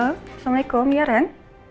assalamu'alaikum ya ren